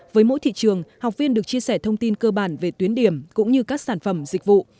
với mỗi thị trường học viên được chia sẻ thông tin cơ bản về tuyến điểm cũng như các sản phẩm dịch vụ